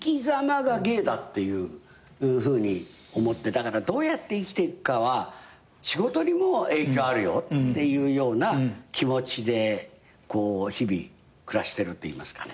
だからどうやって生きていくかは仕事にも影響あるよっていう気持ちでこう日々暮らしてるといいますかね。